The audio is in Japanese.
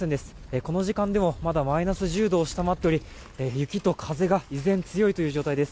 この時間でもまだマイナス１０度を下回っており雪と風が依然強い状態です。